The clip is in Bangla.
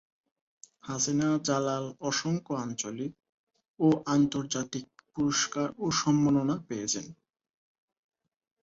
হাসিনা জালাল অসংখ্য আঞ্চলিক ও আন্তর্জাতিক পুরস্কার এবং সম্মাননা পেয়েছেন।